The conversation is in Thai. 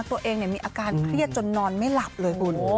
ตัวเองมีอาการเครียดจนนอนไม่หลับเลยคุณ